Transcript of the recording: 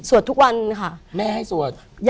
ทุกวันค่ะแม่ให้สวด